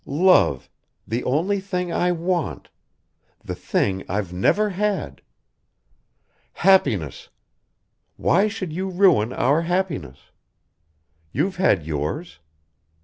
Love ... the only thing I want! The thing I've never had! Happiness... Why should you ruin our happiness? You've had yours.